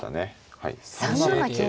はい。